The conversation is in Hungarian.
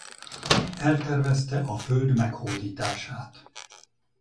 Eltervezte a Föld meghódítását.